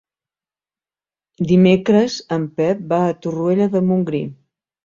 Dimecres en Pep va a Torroella de Montgrí.